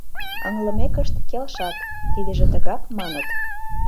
Ыҥлымекышт, келшат: «Тидыже тыгак», – маныт.